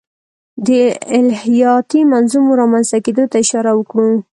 د الهیاتي منظومو رامنځته کېدو ته اشاره وکړو.